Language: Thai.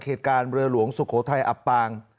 เหตุการณ์เรือหลวงสุโขทัยอับปาง